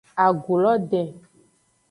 Agu lo den.